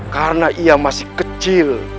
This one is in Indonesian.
karena ia masih kecil